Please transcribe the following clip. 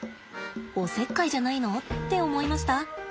「おせっかいじゃないの？」って思いました？